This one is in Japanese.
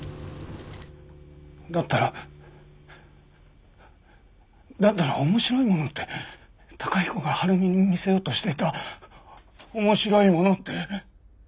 だったらだったら面白いものって崇彦が晴美に見せようとしていた面白いものって？